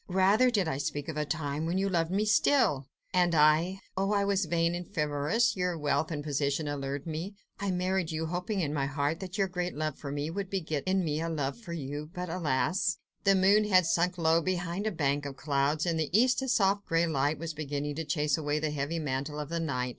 "Rather did I speak of the time when you loved me still! and I ... oh! I was vain and frivolous; your wealth and position allured me: I married you, hoping in my heart that your great love for me would beget in me a love for you ... but, alas! ..." The moon had sunk low down behind a bank of clouds. In the east a soft grey light was beginning to chase away the heavy mantle of the night.